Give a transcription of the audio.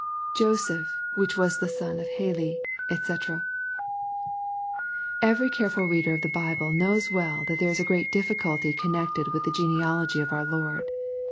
[JoeepK which vhu the eon o/ITdi^ Sc] Every careful reader of the Bible knows well that there is a great difficulty connected with the genealogy of our Lord.